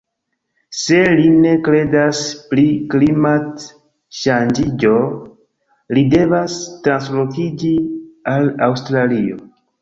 Se li ne kredas pri klimat-ŝanĝiĝo li devas translokiĝi al Aŭstralio